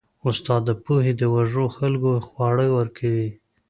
استاد د پوهې د وږو خلکو خواړه ورکوي.